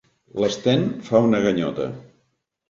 L'Sten fa una ganyota.